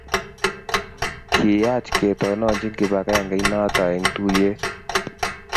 kiyaach ketononchi kibagengeinata eng tuiyet